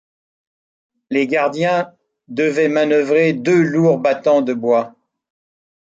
Les gardiens devaient manœuvrer deux lourds battants de bois.